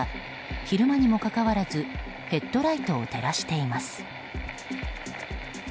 昼間にもかかわらずヘッドライトを照らしています。